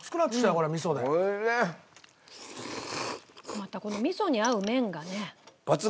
またこの味噌に合う麺がねいいですね。